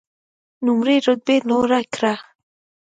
نوموړي رتبه لوړه کړه.